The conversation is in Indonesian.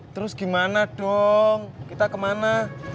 terus gimana dong kita kemana